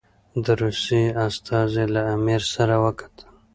د روسیې استازي له امیر سره وکتل.